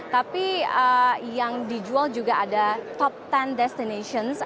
tapi yang dijual juga ada top sepuluh destinations